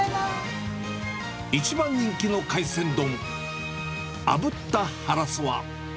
一番人気の海鮮丼、あぶったハラスは。